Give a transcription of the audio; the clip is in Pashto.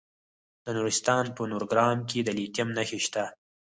د نورستان په نورګرام کې د لیتیم نښې شته.